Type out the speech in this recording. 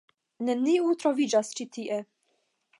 Neniu troviĝas ĉi tie.